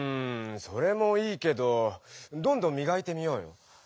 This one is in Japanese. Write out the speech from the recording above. それもいいけどどんどんみがいてみようよ。